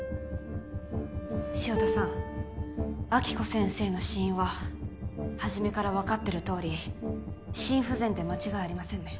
潮田さん暁子先生の死因は初めから分かってる通り心不全で間違いありませんね？